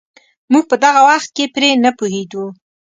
موږ په دغه وخت کې پرې نه پوهېدو.